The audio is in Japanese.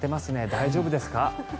大丈夫ですか？